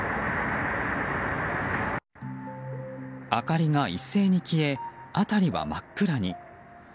明かりが一斉に消え辺りは真っ暗に。